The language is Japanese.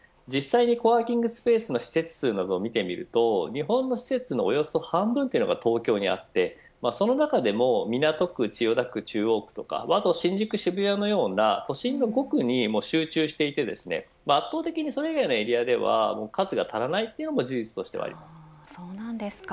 実際にコワーキングスペースの施設を見ると日本の施設のおよそ半分というのが東京にあってその中でも港区、千代田区中央区とか、あと新宿、渋谷のような都心の５区に集中していて圧倒的にそれ以外のエリアでは数が足りないのが事実です。